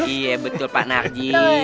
iya betul pak narci